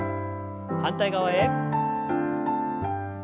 反対側へ。